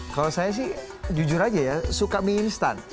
kalau saya sih jujur aja ya suka mie instan